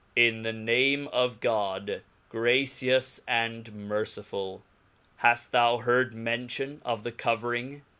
IN the name of Cod, gracious and merciful. Haft thou •*heard mention of the covering